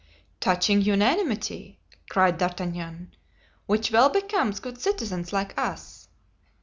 "Touching unanimity!" cried D'Artagnan, "which well becomes good citizens like us.